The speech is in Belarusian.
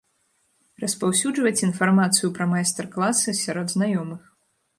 Распаўсюджваць інфармацыю пра майстар-класы сярод знаёмых.